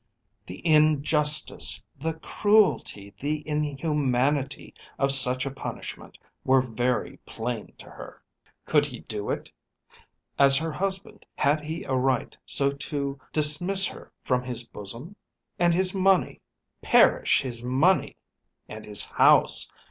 The injustice, the cruelty, the inhumanity of such a punishment were very plain to her. Could he do it? As her husband had he a right so to dismiss her from his bosom? And his money? Perish his money! And his house!